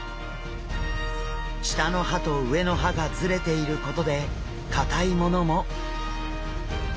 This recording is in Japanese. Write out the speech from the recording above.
下の歯と上の歯がズレていることで硬いものも。